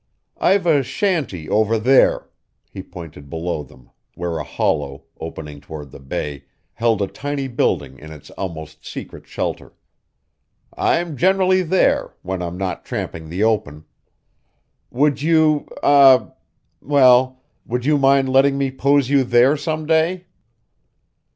I've a shanty over there " he pointed below them, where a hollow, opening toward the bay, held a tiny building in its almost secret shelter, "I'm generally there, when I'm not tramping the open. Would you, eh well, would you mind letting me pose you there some day?"